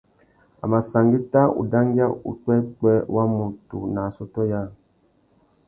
A mà sangüetta udangüia upwêpwê wa mutu nà assôtô yâā.